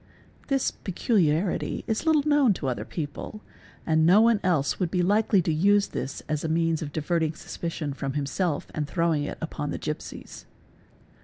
This peculiarity is little known to other people and no one else : would be likely to use this as a means of diverting suspicion from himself and throwing it upon the gipsies.